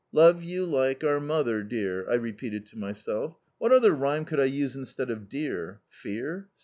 "Lo ve you li ike our Mo ther dear," I repeated to myself. "What other rhyme could I use instead of 'dear'? Fear?